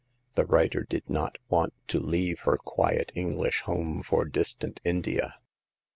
The writer did not want to leave her quiet English home for distant India.